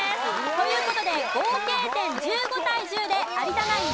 という事で合計点１５対１０で有田ナイン